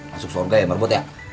masuk surga ya marbot ya